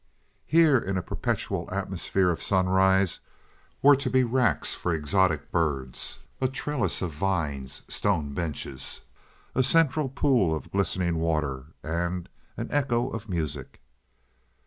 Here in a perpetual atmosphere of sunrise were to be racks for exotic birds, a trellis of vines, stone benches, a central pool of glistening water, and an echo of music.